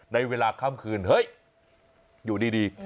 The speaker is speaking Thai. ในเวลาค่ำคืนเฮ้ยอยู่ดี